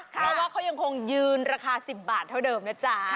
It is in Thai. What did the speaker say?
แล้วเค้ายังคงยืนราคา๑๐บาทเท่าเดิมนะจ๊ะ